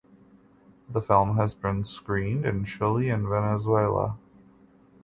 The film has been screened in Chile and in Venezuela.